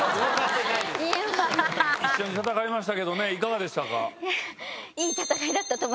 一緒に戦いましたけどいかがでしたか？